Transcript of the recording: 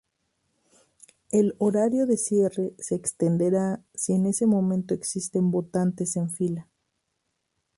El horario de cierre se extenderá si en ese momento existen votantes en fila.